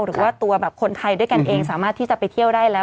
หรือว่าตัวแบบคนไทยด้วยกันเองสามารถที่จะไปเที่ยวได้แล้ว